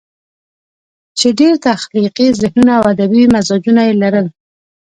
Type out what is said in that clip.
چې ډېر تخليقي ذهنونه او ادبي مزاجونه ئې لرل